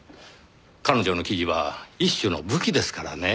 彼女の記事は一種の武器ですからねぇ。